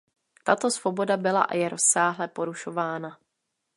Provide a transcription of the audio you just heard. Tato svoboda byla a je rozsáhle porušována.